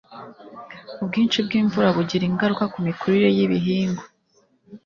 ubwinshi bwimvura bugira ingaruka kumikurire yibihingwa